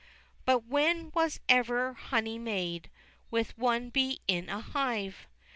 But when was ever honey made With one bee in a hive!